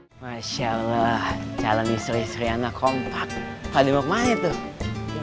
hai masya allah calon istri istri anna kompak hadir mau kemana tuh